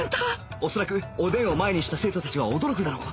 恐らくおでんを前にした生徒たちは驚くだろう